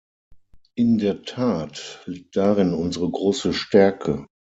In der Tat liegt darin unsere große Stärke.